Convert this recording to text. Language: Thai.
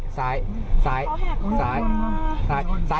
ข้างไหนครับ